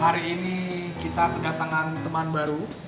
hari ini kita kedatangan teman baru